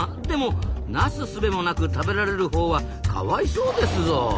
でもなすすべもなく食べられるほうはかわいそうですぞ。